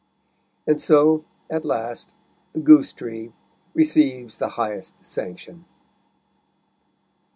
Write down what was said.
And so, at last, the Goose Tree receives the highest sanction.